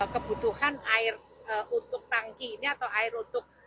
kebutuhan air untuk tangki ini atau air untuk